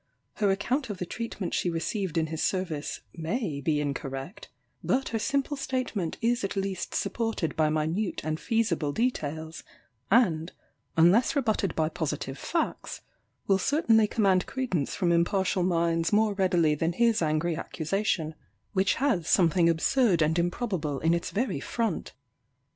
Her account of the treatment she received in his service, may be incorrect; but her simple statement is at least supported by minute and feasible details, and, unless rebutted by positive facts, will certainly command credence from impartial minds more readily than his angry accusation, which has something absurd and improbable in its very front.